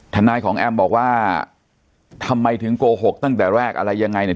ทนายของแอมบอกว่าทำไมถึงโกหกตั้งแต่แรกอะไรยังไงเนี่ย